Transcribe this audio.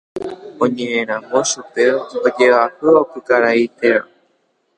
Oñeʼẽramo chupe ojeahyʼopykarãinteva.